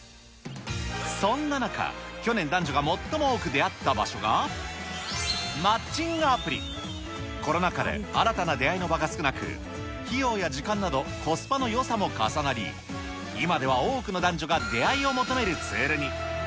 そんな中、去年男女が最も多く出会った場所が、マッチングアプリ。コロナ禍で新たな出会いの場が少なく、費用や時間などコスパのよさも重なり、今では多くの男女が出会いを求めるツールに。